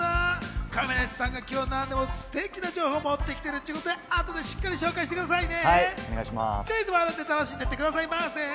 亀梨さんが今日、何でもステキな情報を持ってきてるということで、後でしっかり紹介してくださいね。